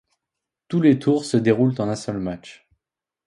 Tous les tours se déroulent en un seul match.